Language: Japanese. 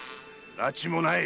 埒もない。